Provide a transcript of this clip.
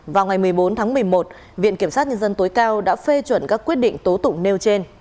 vào ngày một mươi bốn tháng một mươi một viện kiểm sát nhân dân tối cao đã phê chuẩn các quyết định tố tụng nêu trên